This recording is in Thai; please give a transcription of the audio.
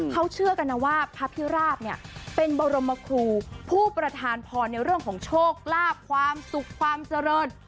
เขาเชื่อกันนะว่าพระพิราบเนี่ยเป็นบรมครูผู้ประธานพรในเรื่องของโชคลาภความสุขความเจริญ